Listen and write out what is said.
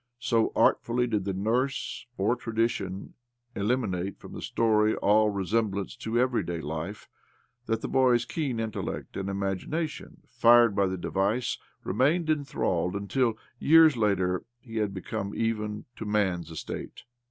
So artfully did the nurse or tradition eliminate from the story all reseni blance to everyday life that the boy's keen intellect and imagination, fired by the device, remained enthralled until, in later years, he had come even to man's estate.